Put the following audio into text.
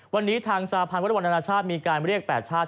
วันนี้ทางสาธารณ์วันระบอลนานาชาติมีการเรียก๘ชาติ